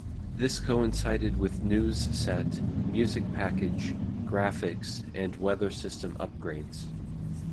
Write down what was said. This coincided with news set, music package, graphics, and weather system upgrades.